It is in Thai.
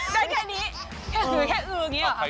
ใครชอบต้องกระจุกเป็นไง